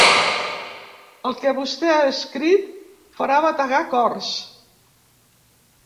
El que vostè ha escrit farà bategar cors.